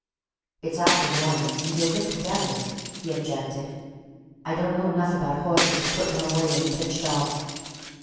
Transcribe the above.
"It's after one, and you'll get the devil," he objected, "and I don't know enough about horses to put one away in the pitch dark."